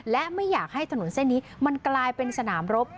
และไม่อยากให้ถนนเส้นนี้มันกลายเป็นสนามรบ